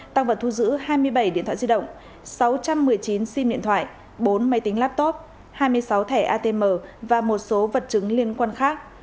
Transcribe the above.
tăng vật thu giữ hai mươi bảy điện thoại di động sáu trăm một mươi chín sim điện thoại bốn máy tính laptop hai mươi sáu thẻ atm và một số vật chứng liên quan khác